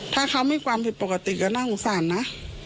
ถ้าเขามีความผิดปกติก็น่าสงสารนะ